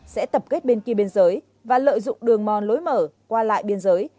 sẽ tập kết bên kia biên giới và lợi dụng đường mòn lối mở qua lại biên giới